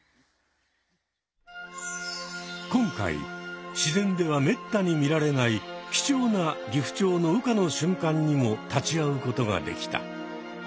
今回自然ではめったに見られない貴重なギフチョウの羽化の瞬間にも立ち会うことができた。